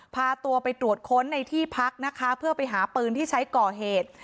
พาตัวไปตรวจค้นในที่พักนะคะเพื่อไปหาปืนที่ใช้ก่อเหตุ